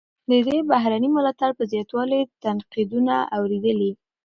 ده د بهرني ملاتړ پر زیاتوالي تنقیدونه اوریدلي.